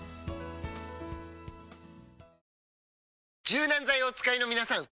柔軟剤をお使いのみなさん！